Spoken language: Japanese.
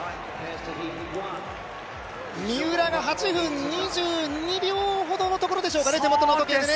三浦が８分２２秒ほどのところでしょうかね。